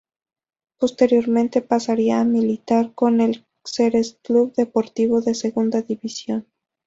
Posteriormente pasaría a militar con el Xerez Club Deportivo de Segunda División.